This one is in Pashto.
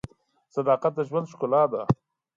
صداقت د ژوند ښکلا ده.